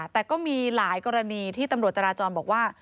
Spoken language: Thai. แต่ก็มีหลายกรณีที่ตำรวจจราจรบอกว่า